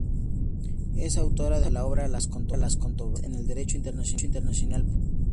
Es autora de la obra: ""Las Controversias en el Derecho Internacional Público"".